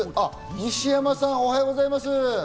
西山さん、おはようございます。